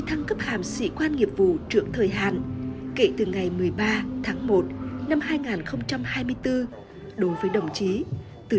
thăng cấp hàm sĩ quan nghiệp vụ trưởng thời hạn kể từ ngày một mươi ba tháng một năm hai nghìn hai mươi bốn đối với đồng chí từ